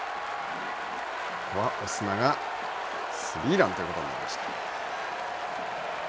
ここはオスナがスリーランということになりました。